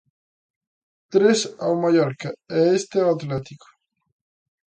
Tres ao Mallorca e este ao Atlético.